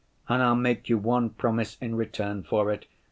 And I'll make you one promise in return for it.